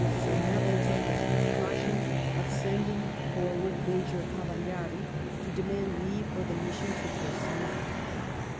Sir Neville took the precaution of sending forwaixl Major Cavagnari to demand leave for the mission to proceed.